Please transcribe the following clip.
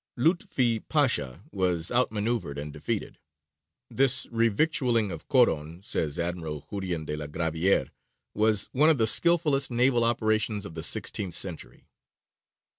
Lutfi Pasha was outmanoeuvred and defeated. This revictualling of Coron, says Admiral Jurien de la Gravière, was one of the skilfullest naval operations of the sixteenth century.